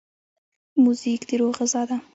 موزیک د روح غذا ده.